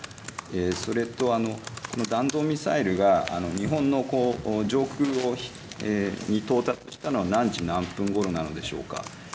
それとこの弾道ミサイルが日本の上空に到達したのは何時何分ごろなのでしょうか。